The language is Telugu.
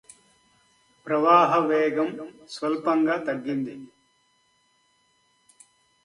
ప్రవాహ వేగం స్వల్పంగా తగ్గింది